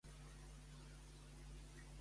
Qui és el director de la policia de Catalunya?